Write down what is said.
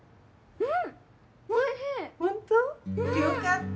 うん！